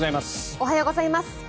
おはようございます。